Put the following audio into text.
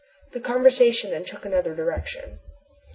The conversation then took another direction.